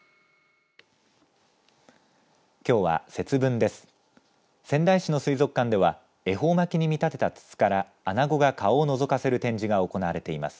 きょうは節分です。